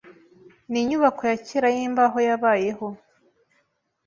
Ninyubako ya kera yimbaho yabayeho.